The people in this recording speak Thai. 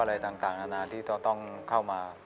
อะไรต่างนานาที่จะต้องเข้ามา